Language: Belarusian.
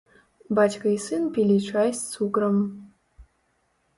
Бацька і сын пілі чай з цукрам.